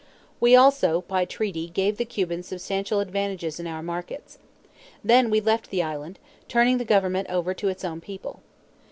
We also by treaty gave the Cubans substantial advantages in our markets. Then we left the island, turning the government over to its own people.